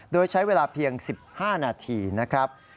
โดยใช้เวลาเพียง๑๕นาทีนะครับ